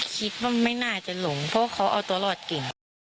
คิดว่าไม่น่าจะหลงเพราะเขาเอาตัวรอดเก่ง